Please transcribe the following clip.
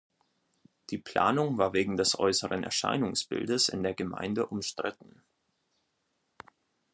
Die Planung war wegen des äußeren Erscheinungsbildes in der Gemeinde umstritten.